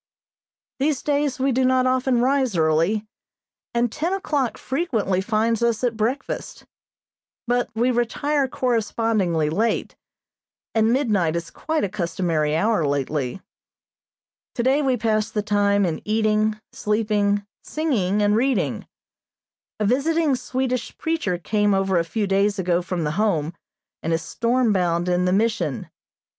These days we do not often rise early, and ten o'clock frequently finds us at breakfast, but we retire correspondingly late, and midnight is quite a customary hour lately. Today we passed the time in eating, sleeping, singing, and reading. A visiting Swedish preacher came over a few days ago from the Home, and is storm bound in the Mission.